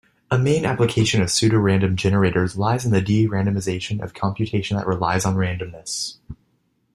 A main application of pseudorandom generators lies in the de-randomization of computation that relies on randomness.